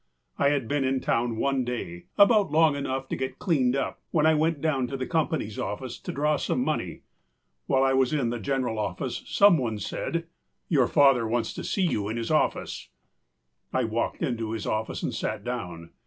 I had been in town one day, about long enough to get cleaned up, when I went down to the companyâs office to draw some money. While I was in the general office some one said: âYour father wants to see you in his office.â I walked into his office and sat down.